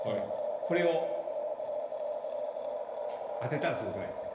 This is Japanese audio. これを当てたらすごくないですか？